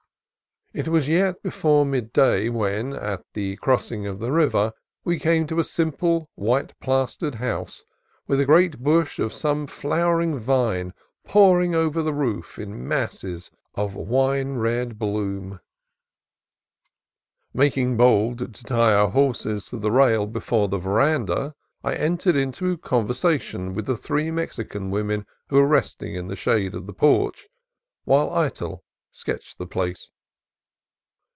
It was yet before midday when, at the crossing of the river, we came to a simple white plastered house with a great bush of some flowering vine pour ing over the roof in masses of wine red bloom. Mak ing bold to tie our horses to the rail before the ve randa, I entered into conversation with the three 8 CALIFORNIA COAST TRAILS Mexican women who were resting in the shade of the porch, while Eytel sketched the place.